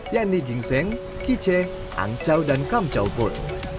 yang digingseng kiceh angcau dan kamcau pun